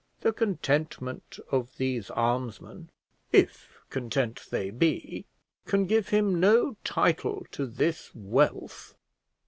The contentment of these almsmen, if content they be, can give him no title to this wealth!